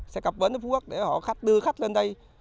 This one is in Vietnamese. sẽ cập vấn với phú quốc để họ đưa khách lên đây